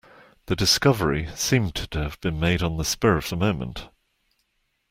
The discovery seemed to have been made on the spur of the moment.